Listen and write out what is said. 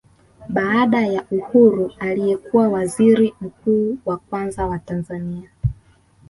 Baada ya uhuru aliyekuwa waziri mkuu wa kwanza wa Tanzania